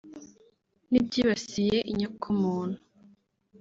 n’ibyibasiye inyokomuntu